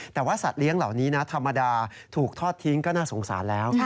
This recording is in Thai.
แต่ว่าสัตว์เลี้ยงเหล่านี้นะธรรมดาถูกทอดทิ้งก็น่าสงสารแล้ว